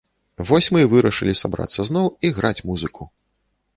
Вось мы і вырашылі сабрацца зноў і граць музыку.